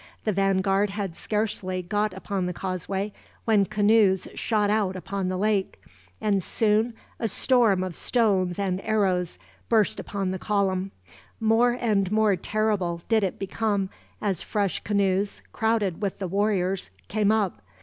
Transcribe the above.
The vanguard had scarcely got upon the causeway when canoes shot out upon the lake, and soon a storm of stones and arrows burst upon the column. More and more terrible did it become, as fresh canoes, crowded with the warriors, came up.